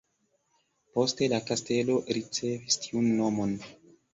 Poste la kastelo ricevis tiun nomon.